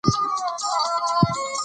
ډاکتر ویل چې ډېر خوراک د ناروغیو مور ده.